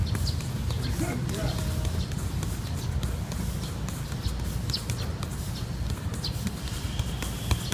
Yanga Ruge alikuwa mstari wa mbele katika kuitangaza na ikateka nchi alisema